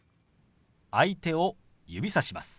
相手を指さします。